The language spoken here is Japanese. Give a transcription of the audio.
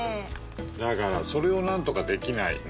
だからそれを何とかできないの？